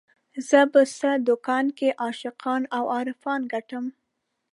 زه په څه دکان کې عاشقان او عارفان ګټم